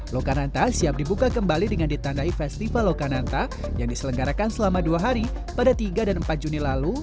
lokananta siap dibuka kembali dengan ditandai festival lokananta yang diselenggarakan selama dua hari pada tiga dan empat juni lalu